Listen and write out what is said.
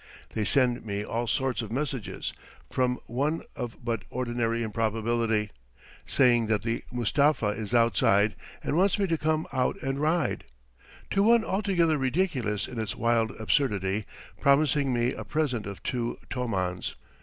They send me all sorts of messages, from one of but ordinary improbability, saying that the Mustapha is outside and wants me to come out and ride, to one altogether ridiculous in its wild absurdity, promising me a present of two tomans.